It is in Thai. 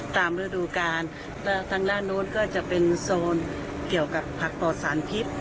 ฤดูกาลแล้วทางด้านโน้นก็จะเป็นโซนเกี่ยวกับผักปลอดสารพิษ